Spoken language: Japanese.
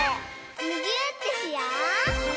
むぎゅーってしよう！